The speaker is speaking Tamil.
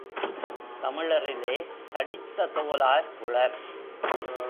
தமிழரிலே தடித்த தோலார் உளர்.